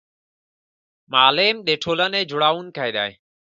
معلم د ټولنې جوړونکی دی